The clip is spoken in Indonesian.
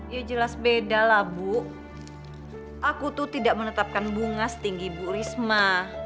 ya jelas beda lah bu aku tuh tidak menetapkan bunga setinggi ibu risma